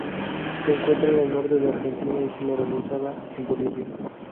Se encuentra en el norte de Argentina y generalizada en Bolivia.